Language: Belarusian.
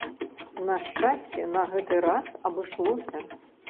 На шчасце, на гэты раз абышлося.